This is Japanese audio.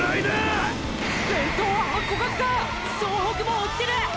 総北も追ってる！！